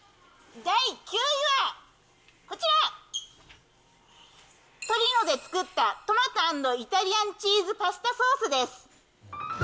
第９位はこちら、トリノで作ったトマト＆イタリアンチーズパスタソースです。